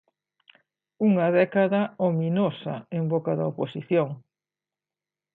Unha "década ominosa" en boca da oposición.